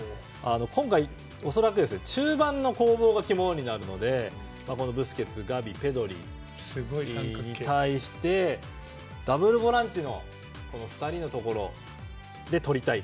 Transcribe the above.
今回、恐らく中盤の攻防が肝になるのでブスケツ、ガビ、ペドリに対してダブルボランチの２人のところでとりたい。